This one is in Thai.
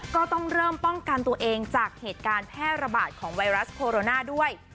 ก็ต้องเริ่มป้องกันตัวเองจากเหตุการณ์แพร่ระบาดของไวรัสโคโรนาด้วย